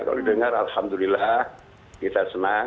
kalau didengar alhamdulillah kita senang